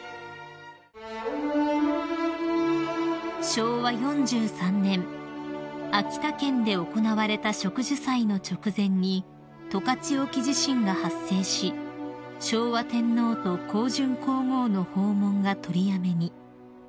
［昭和４３年秋田県で行われた植樹祭の直前に十勝沖地震が発生し昭和天皇と香淳皇后の訪問が取りやめに］